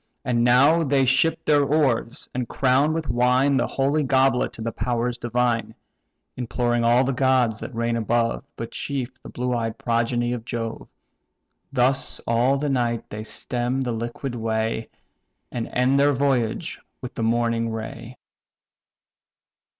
And now they ship their oars, and crown with wine The holy goblet to the powers divine: Imploring all the gods that reign above, But chief the blue eyed progeny of Jove. Thus all the night they stem the liquid way, And end their voyage with the morning ray.